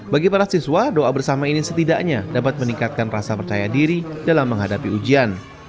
bagi para siswa doa bersama ini setidaknya dapat meningkatkan rasa percaya diri dalam menghadapi ujian